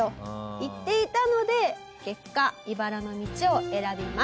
言っていたので結果茨の道を選びます。